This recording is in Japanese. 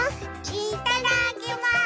いただきます！